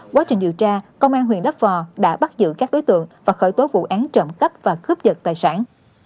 quá trình dự tra công an huyện lắp vò đã bắt giữ các đối tượng và khởi tố vụ án trộm cấp và cướp giật tài sản